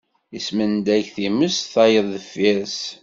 Ismendag times, tayeḍ deffir-s.